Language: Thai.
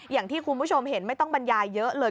อย่างที่คุณผู้ชมเห็นไม่ต้องบรรยายเยอะเลย